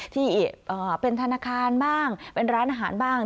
ที่เป็นธนาคารบ้างเป็นร้านอาหารบ้าง